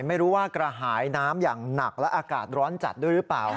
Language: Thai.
ไม่รู้ว่ากระหายน้ำอย่างหนักและอากาศร้อนจัดด้วยหรือเปล่า